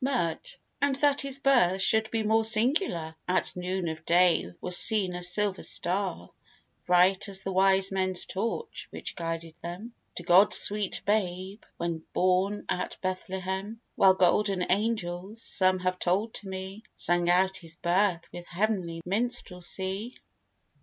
MIRT. And that his birth should be more singular, At noon of day was seen a silver star, Bright as the wise men's torch, which guided them To God's sweet babe, when born at Bethlehem; While golden angels, some have told to me, Sung out his birth with heav'nly minstrelsy.